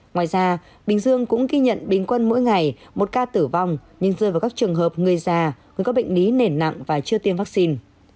ngoài ra bình dương cũng ghi nhận bình quân mỗi ngày một ca tử vong nhưng rơi vào các trường hợp người già người có bệnh lý nền nặng và chưa tiêm vaccine